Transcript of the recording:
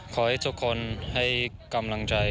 ขอให้ทุกคนให้กำลังใจ